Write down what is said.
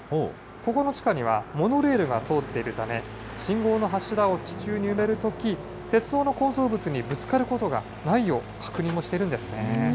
ここの地下にはモノレールが通っているため、信号の柱を地中に埋めるとき、鉄道の構造物にぶつかることがないよう確認もしてるんですね。